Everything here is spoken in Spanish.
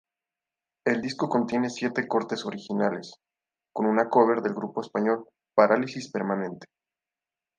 El disco contiene siete cortes originales, con una cover del grupo español Parálisis Permanente.